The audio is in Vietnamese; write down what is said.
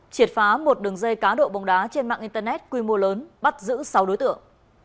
triệt phá một đường dây cá độ bóng đá trên mạng internet quy mô lớn bắt giữ sáu đối tượng